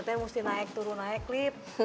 ternyata mesti naik turun naik klip